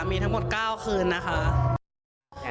มีทั้งหมด๙คืนนะคะ